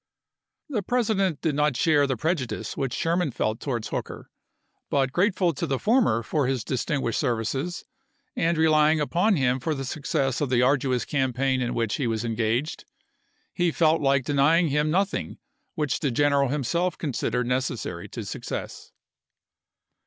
278 ABRAHAM LINCOLN chap. xii. The President did not share the prejudice which Sherman felt towards Hooker, but grateful to the former for his distinguished services, and relying upon him for the success of the arduous campaign in which he was engaged, he felt like denying him nothing which the general himself considered nec essary to success.